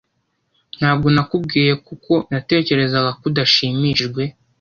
Ntabwo nakubwiye kuko natekerezaga ko udashimishijwe.